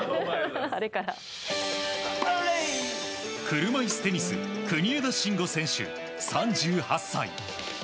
車いすテニス国枝慎吾選手、３８歳。